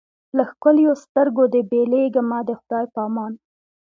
له ښکلیو سترګو دي بېلېږمه د خدای په امان